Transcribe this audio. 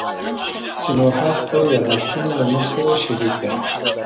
سینوهه خپل یاداښتونه له موږ سره شریک کړل.